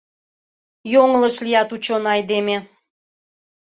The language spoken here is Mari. — Йоҥылыш лият, учёный айдеме.